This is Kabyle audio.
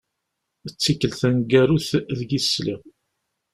D tikelt taneggarut deg i as-sliɣ.